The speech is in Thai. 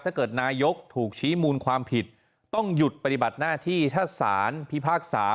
ถ้าเกิดนายกถูกชี้มูลความผิดต้องหยุดปฏิบัติหน้าที่ถ้าสารพิพากษา